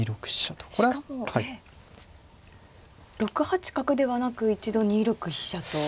しかも６八角ではなく一度２六飛車と。